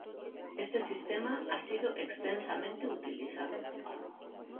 Este sistema ha sido extensamente utilizado.